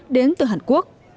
đến từ hàn quốc